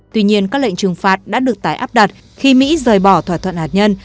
tuy nhiên các lệnh trừng phạt đã được tái áp đặt khi mỹ rời bỏ thỏa thuận hạt nhân